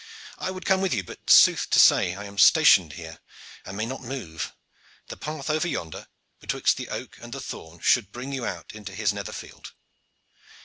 I would come with you, but sooth to say I am stationed here and may not move. The path over yonder, betwixt the oak and the thorn, should bring you out into his nether field."